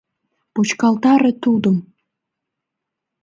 — Почкалтаре тудым!